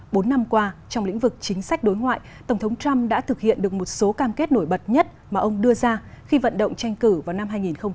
bốn năm qua trong lĩnh vực chính sách đối ngoại tổng thống trump đã thực hiện được một số cam kết nổi bật nhất mà ông đưa ra khi vận động tranh cử vào năm hai nghìn một mươi